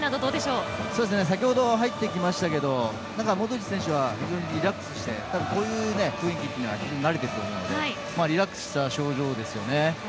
先ほど入ってきましたがモドリッチ選手は非常にリラックスしてこういう雰囲気に慣れていると思うのでリラックスした表情ですよね。